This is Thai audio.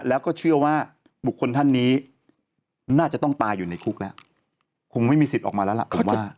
แล้วก็เชื่อว่าบุคคลท่านนี้น่าจะต้องตายอยู่ในคุกแล้วคงไม่มีสิทธิ์ออกมาแล้วล่ะผมว่า